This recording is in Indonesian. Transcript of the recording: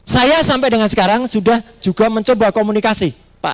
saya sampai dengan sekarang sudah juga mencoba komunikasi pak